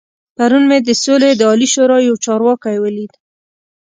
پرون مې د سولې د عالي شورا يو چارواکی ولید.